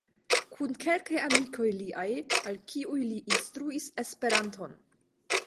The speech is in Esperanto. Kun kelkaj amikoj liaj, al kiuj li instruis Esperanton.